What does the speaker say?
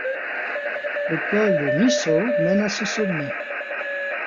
Le col de Nisshō mène à ce sommet.